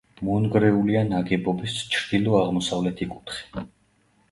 მონგრეულია ნაგებობის ჩრდილო-აღმოსავლეთი კუთხე.